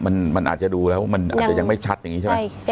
มันอาจจะดูแล้วมันอาจจะยังไม่ชัดอย่างนี้ใช่ไหม